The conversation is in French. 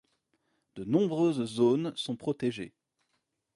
De nombreuses zones sont protégées.